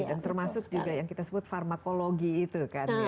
dan termasuk juga yang kita sebut farmakologi itu kan ya